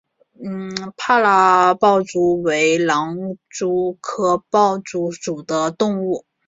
帕拉豹蛛为狼蛛科豹蛛属的动物。